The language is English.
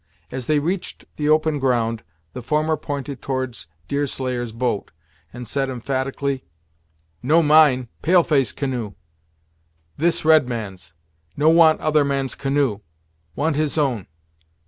As they reached the open ground, the former pointed towards Deerslayer's boat, and said emphatically "No mine pale face canoe. This red man's. No want other man's canoe want his own."